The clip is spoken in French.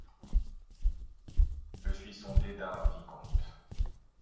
Je suis son dédain, vicomte